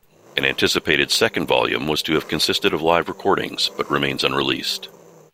An anticipated second volume was to have consisted of live recordings but remains unreleased.